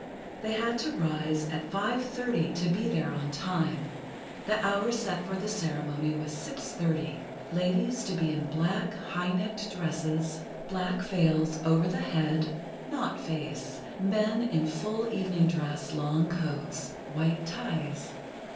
They had to rise at five thirty, to be there on time. The hour set for the ceremony was six thirty—ladies to be in black, high necked dresses, black veils over the head (not face), men in full evening dress, long coats, white ties.